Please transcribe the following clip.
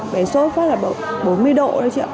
bé sốt phát là bốn mươi độ